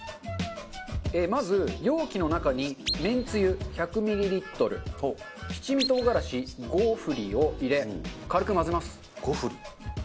まず容器の中にめんつゆ１００ミリリットル七味唐辛子５振りを入れ軽く混ぜます。